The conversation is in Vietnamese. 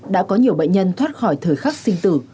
đã có nhiều bệnh nhân thoát khỏi thời khắc sinh tử